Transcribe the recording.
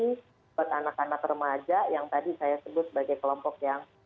buat anak anak remaja yang tadi saya sebut sebagai kelompok yang